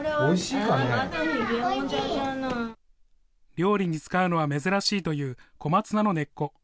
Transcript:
料理に使うのは珍しいという小松菜の根っこ。